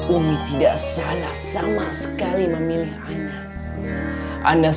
umi tidak salah sama sekali memilih anak